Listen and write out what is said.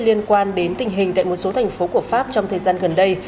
liên quan đến tình hình tại một số thành phố của pháp trong thời gian gần đây